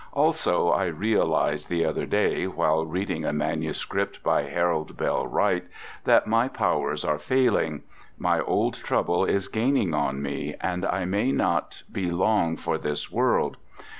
Also I realized the other day, while reading a manuscript by Harold Bell Wright, that my powers are failing. My old trouble is gaining on me, and I may not be long for this world.